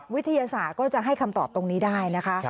วิทยาศาสตร์ก็จะให้คำตอบตรงนี้ได้นะคะ